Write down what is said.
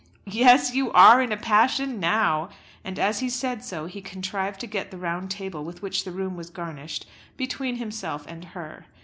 "Yes; you are in a passion now;" and as he said so, he contrived to get the round table with which the room was garnished between himself and her.